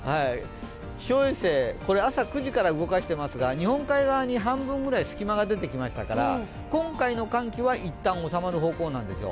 気象衛星、朝９時から動かしてますが日本海側に半分ぐらい隙間が出てきましたから、今回の寒気は一旦収まる方向なんですよ。